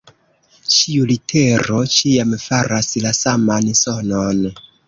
Ĉiu litero ĉiam faras la saman sonon.